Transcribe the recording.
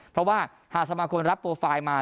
เพราะว่าหากสมาคมรับโปรไฟล์มา